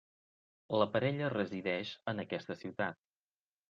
La parella resideix en aquesta ciutat.